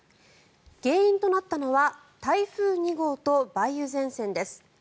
原因となったのは台風２号と梅雨前線です。